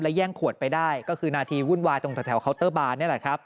และแย่งขวดไปได้ก็คือนาทีวุ่นวายตรงจากแถวเคาน์เตอร์บาน